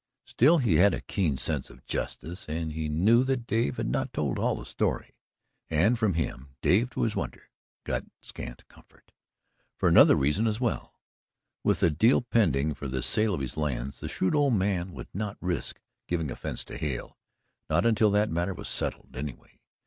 Still he had a keen sense of justice, and he knew that Dave had not told all the story, and from him Dave, to his wonder, got scant comfort for another reason as well: with a deal pending for the sale of his lands, the shrewd old man would not risk giving offence to Hale not until that matter was settled, anyway.